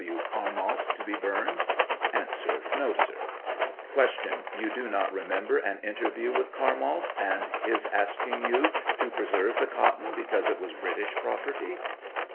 W. Carmalt, to be burned. A. No, sir. Q. Tou do not remember an interview with Carmalt, and his asking you to preserve the cotton because it was British property